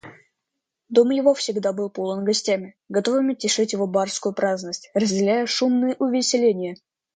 Дом его всегда был полон гостями, готовыми тешить его барскую праздность, разделяя шумные увеселения.